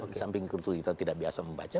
di samping kita tidak biasa membaca